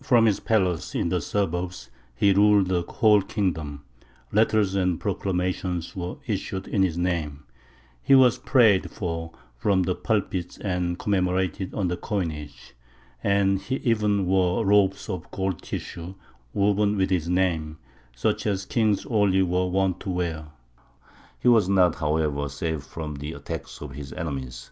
From his palace in the suburbs he ruled the whole kingdom; letters and proclamations were issued in his name; he was prayed for from the pulpits and commemorated on the coinage; and he even wore robes of gold tissue woven with his name, such as kings only were wont to wear. He was not, however, safe from the attacks of his enemies.